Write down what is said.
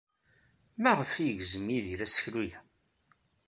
Maɣef ay yegzem Yidir aseklu-a?